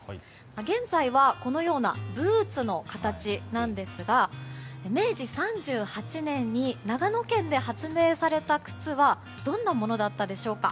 現在は、このようなブーツの形なんですが明治３８年に長野県で発明された靴はどんなものだったでしょうか。